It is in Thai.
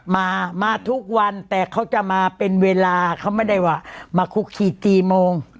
มามาทุกวันแต่เขาจะมาเป็นเวลาเขาไม่ได้ว่ามาคุกขีดตีโมง